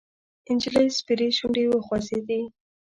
د نجلۍ سپېرې شونډې وخوځېدې: